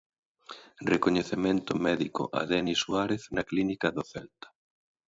Recoñecemento médico a Denis Suárez na clínica do Celta.